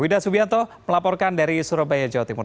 wida subianto melaporkan dari surabaya jawa timur